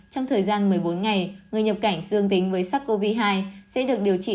trong thời gian một mươi bốn ngày người nhập cảnh xương tính với sắc covid hai sẽ được điều trị